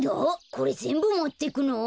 これぜんぶもってくの？